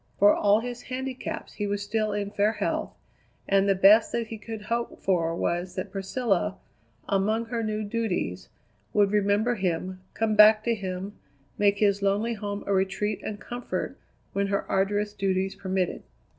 For all his handicaps he was still in fair health, and the best that he could hope for was that Priscilla, among her new duties, would remember him, come back to him, make his lonely home a retreat and comfort when her arduous duties permitted.